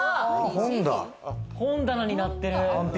本棚になってる。